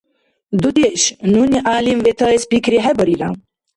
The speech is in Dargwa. – Дудеш, нуни гӀялим ветаэс пикрихӀебарира...